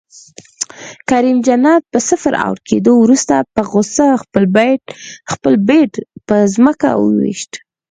کریم جنت په صفر اؤټ کیدو وروسته په غصه خپل بیټ په ځمکه وویشت